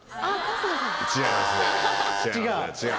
違う？